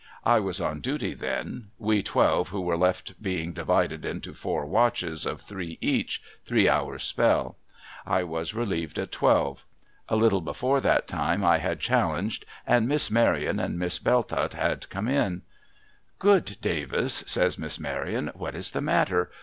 I was on duty then ; we twehe who were left being divided into four watches of three each, three hours' spell. I was relieved at twelve. A little before that time, I had challenged, and Miss Maryon and Mrs. Belltott had come in. 'Good Davis,' says Miss Maryon, 'what is the matter?